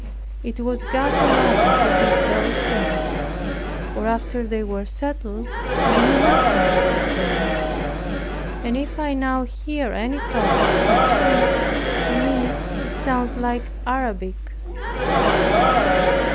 It was God alone who did those things; for after they were settled I knew nothing about them; and if I now hear any talk of such things, to me it sounds like Arabic.